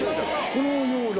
このような。